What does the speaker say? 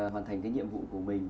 hoàn thành cái nhiệm vụ của mình